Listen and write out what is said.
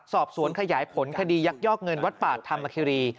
สอบสวนขยายผลคดียักยอกเงินวัดป่าธรรมคิรี